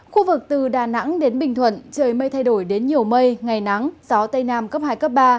khu vực từ đà nẵng đến bình thuận trời mây thay đổi đến nhiều mây ngày nắng gió tây nam cấp hai cấp ba